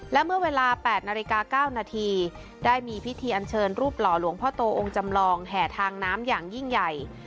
และเมื่อเวลา๘นาฬิกา๙นาทีได้มีพิธีอันเชิญรูปหล่อหลวงพ่อโตองค์จำลองแห่ทางน้ำอย่างยิ่งใหญ่